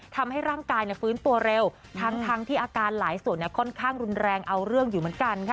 ทำให้ร่างกายฟื้นตัวเร็วทั้งที่อาการหลายส่วนค่อนข้างรุนแรงเอาเรื่องอยู่เหมือนกันค่ะ